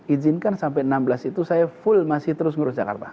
izinkan sampai enam belas itu saya full masih terus ngurus jakarta